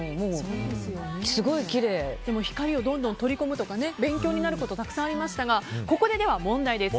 光をどんどん取り込むとか勉強になることたくさんありましたがでは、ここで問題です。